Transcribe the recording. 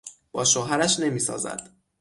با شوهرش نمیسازد.